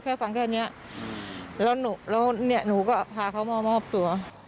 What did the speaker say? มาวังว่าคนช่วยเขาช่วยละ